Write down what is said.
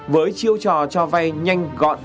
với chiêu trò cho vay nhanh gọn